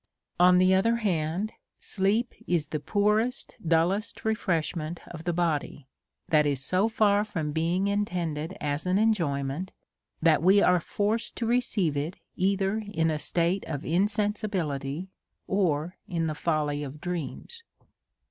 On the other hand, sleep is the poorest, dullest re freshment of the body, that is so far from being in tended as an enjoyment, that we are forced to receive it either in a state of insensibility, or in the folly of dreams.